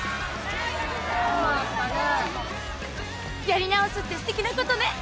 やり直すってすてきなことね。